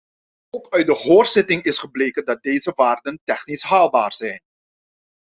Ook uit de hoorzitting is gebleken dat deze waarden technisch haalbaar zijn.